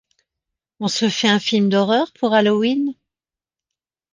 On se fait un film d'horreur pour Halloween ?